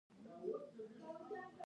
نن ورځ نسبتاً شتمنې دي.